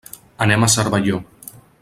Anem a Cervelló.